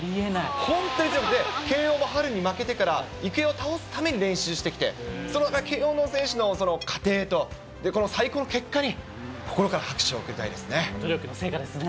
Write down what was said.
本当に強くて、慶応も春に負けてから、育英を倒すために練習してきて、その慶応の選手の過程と、この最高の結果に、心から拍手を送りた努力の成果ですね。